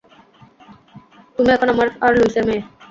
তুমি এখন আমার আর লুইসের মেয়ে।